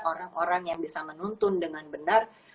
orang orang yang bisa menuntun dengan benar